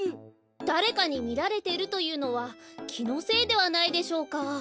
だれかにみられてるというのはきのせいではないでしょうか？